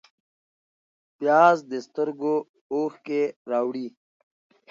پیاز د سترګو اوښکې راوړي